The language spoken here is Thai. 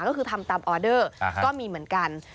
ก็คือทำตามออเดอร์ก็มีเหมือนกัน